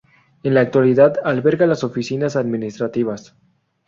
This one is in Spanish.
En la actualidad alberga las oficinas administrativas.